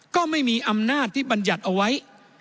ก็ไม่มีอำนาจที่บรรยัติเอาไว้